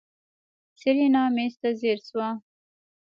سېرېنا مېز ته ځير شوه.